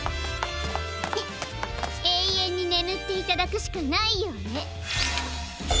えいえんにねむっていただくしかないようね！